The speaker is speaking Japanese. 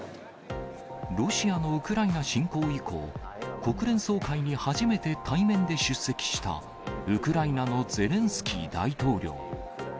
ロシアのウクライナ侵攻以降、国連総会に初めて対面で出席した、ウクライナのゼレンスキー大統領。